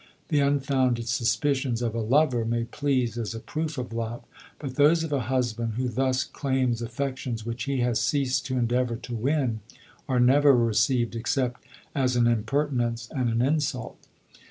The unfounded suspicions of a lover may please as a proof of love, but those of a. 144 LODORE. husband, who thus claims affections which lie has ceased to endeavour to win, are never received except as an impertinence and an insult.